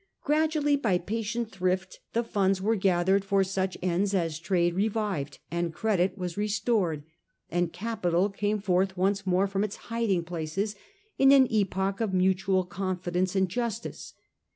Gradually by patient thrift the funds were gathered for such ends as trade revived, and credit was restored, and capital came forth once more from its hiding places in an epoch of mutual con fidence and justice.